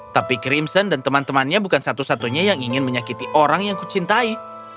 tapi crimson dan teman temannya bukan satu satunya yang ingin menyakiti orang yang kucintai